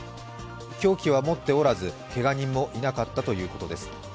凶器は持っておらず、けが人もいなかったというこです。